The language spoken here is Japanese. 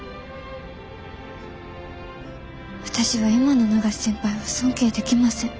私は今の永瀬先輩は尊敬できません。